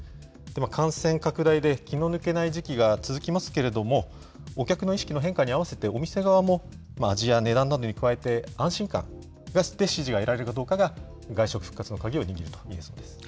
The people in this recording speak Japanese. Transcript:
感染拡大で気の抜けない時期が続きますけれども、お客の意識の変化に合わせて、お店側も味や値段などに加えて、安心感、支持が得られて、外食復活の鍵を握るといえそうです。